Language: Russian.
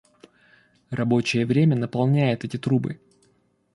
Рабочее время наполняет эти трубы.